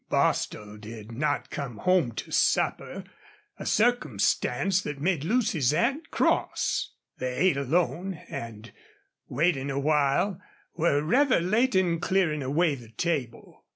Bostil did not come home to supper, a circumstance that made Lucy's aunt cross. They ate alone, and, waiting awhile, were rather late in clearing away the table.